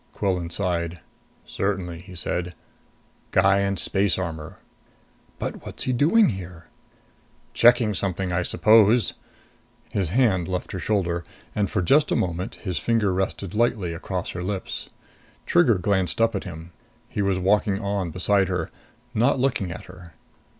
Quillan sighed. "Certainly," he said. "Guy in space armor." "But what's he doing there?" "Checking something, I suppose." His hand left her shoulder; and, for just a moment, his finger rested lightly across her lips. Trigger glanced up at him. He was walking on beside her, not looking at her.